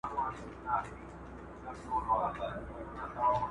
لیکل د کلمو په ساتلو کي تر اورېدلو غوره دي.